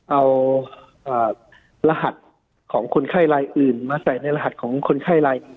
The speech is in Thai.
เอารหัสของคนไข้รายอื่นมาใส่ในรหัสของคนไข้ราย